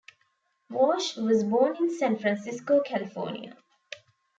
Walsh was born in San Francisco, California.